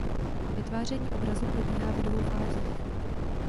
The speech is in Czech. Vytváření obrazu probíhá ve dvou fázích.